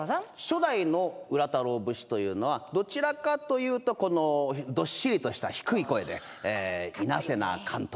初代の浦太郎節というのはどちらかというとどっしりとした低い声でいなせな関東節でございます。